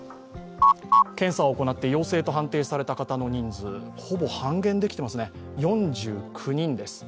検査を行って陽性と判定された方の人数、ほぼ半減できていますね４９人です。